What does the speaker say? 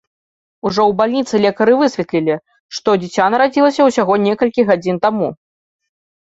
Ужо ў бальніцы лекары высветлілі, што дзіця нарадзілася ўсяго некалькі гадзін таму.